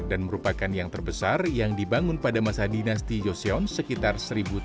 dan merupakan yang terbesar yang dibangun pada masa dinasti joseon sekitar seribu tiga ratus sembilan puluh empat